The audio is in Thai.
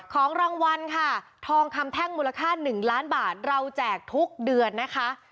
ของรางวัลค่ะทองคำแท่งมูลค่า๑ล้านบาทเราแจกทุกเดือนนะคะ